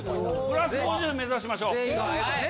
プラス５０目指しましょうはい！